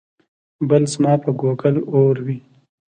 بل ځما په ګوګل اور وي